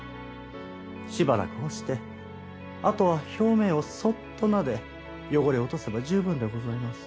しばらく干してあとは表面をそっと撫で汚れを落とせば十分でございます。